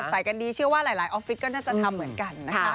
กันดีเชื่อว่าหลายออฟฟิศก็น่าจะทำเหมือนกันนะคะ